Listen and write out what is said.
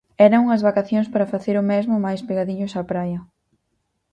Eran unhas vacacións para facer o mesmo mais pegadiños á praia.